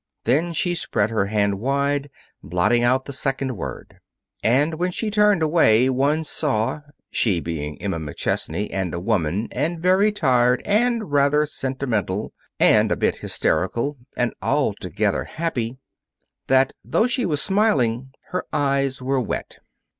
Then she spread her hand wide, blotting out the second word. And when she turned away, one saw she being Emma McChesney, and a woman, and very tired and rather sentimental, and a bit hysterical and altogether happy that, though she was smiling, her eyes were wet.